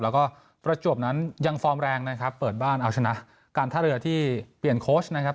แล้วก็ประจวบนั้นยังฟอร์มแรงนะครับเปิดบ้านเอาชนะการท่าเรือที่เปลี่ยนโค้ชนะครับ